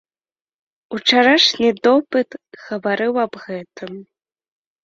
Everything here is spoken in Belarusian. Учарашні допыт гаварыў аб гэтым.